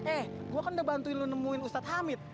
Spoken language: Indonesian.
eh gue kan udah bantuin lu nemuin ustadz hamid